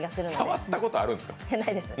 触ったことあるんですか？